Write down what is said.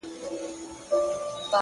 • امبارکښ پرکوڅه پېښ سو د عطرونو ,